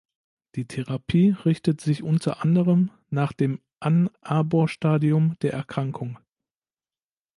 Die Therapie richtet sich unter anderem nach dem Ann-Arbor-Stadium der Erkrankung.